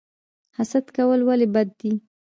حسد کول ولې بد دي؟